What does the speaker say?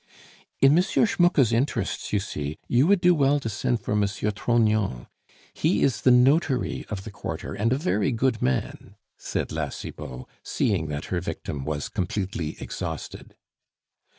"In M. Schmucke's interests, you see, you would do well to send for M. Trognon; he is the notary of the quarter and a very good man," said La Cibot, seeing that her victim was completely exhausted.